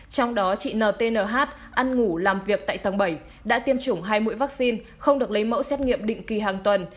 trong đó chị n t n h ăn ngủ làm việc tại tầng bảy đã tiêm chủng hai mũi vaccine không được lấy mẫu xét nghiệm định kỳ hàng tuần